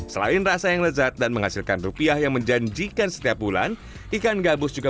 selain rasa yang lezat dan menghasilkan rupiah yang menjanjikan setiap bulan ikan gabus juga